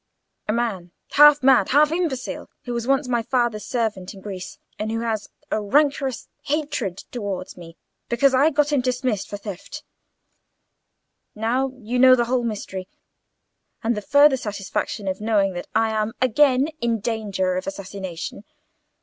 "A man, half mad, half imbecile, who was once my father's servant in Greece, and who has a rancorous hatred towards me because I got him dismissed for theft. Now you have the whole mystery, and the further satisfaction of knowing that I am again in danger of assassination.